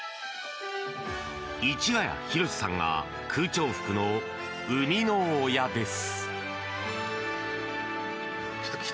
市ヶ谷弘司さんが空調服の産みの親です。